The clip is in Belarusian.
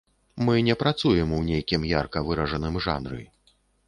Мы не працуем у нейкім ярка выражаным жанры.